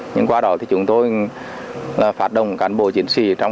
nhưng qua đó thì chúng tôi phát động cán bộ chiến sĩ